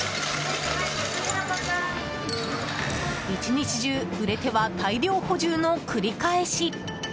１日中売れては大量補充の繰り返し。